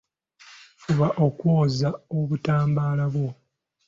Fuba okwoza obutambaala bwo.